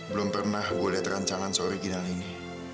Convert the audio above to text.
belum pernah gue lihat rancangan sore gini gini